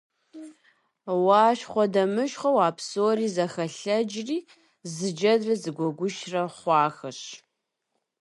Уащхъуэдэмыщхъуэу а псори зэхэлъэдэжри, зы джэдрэ зы гуэгушрэ хъуахэщ.